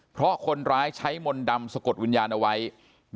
เพราะคนร้ายใช้มนต์ดำสะกดวิญญาณเอาไว้เพราะชีวิตเขืดของมนต์ดำ